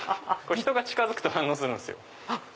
人が近づくと反応するんですよ。